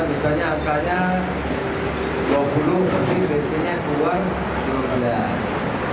misalnya akarnya dua puluh tapi bensinnya keluar lima belas